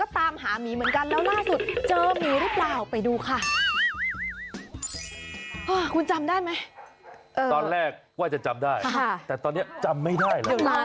ตอนแรกว่าจะจำได้แต่ตอนนี้จำไม่ได้แล้ว